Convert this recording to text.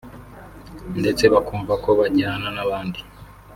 ndetse bakumva ko bajyana n’abandi